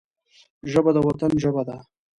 ژبه د وطن ژبه ده